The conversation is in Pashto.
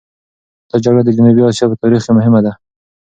دا جګړه د جنوبي اسیا په تاریخ کې مهمه ده.